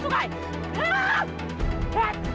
jangan menyesal saya